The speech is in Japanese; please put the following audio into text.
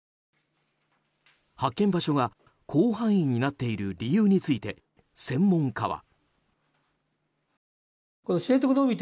発見場所が広範囲になっている理由について専門家は。